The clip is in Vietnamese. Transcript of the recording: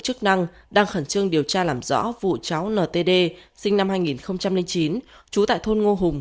chức năng đang khẩn trương điều tra làm rõ vụ cháu ltd sinh năm hai nghìn chín trú tại thôn ngô hùng